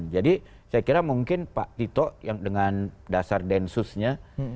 jadi saya kira mungkin pak tito yang dengan dasar densusnya